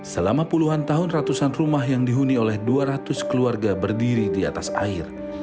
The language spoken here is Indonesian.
selama puluhan tahun ratusan rumah yang dihuni oleh dua ratus keluarga berdiri di atas air